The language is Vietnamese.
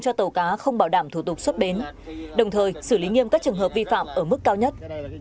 cho tàu cá không bảo đảm thủ tục xuất bến đồng thời xử lý nghiêm các trường hợp vi phạm ở mức cao nhất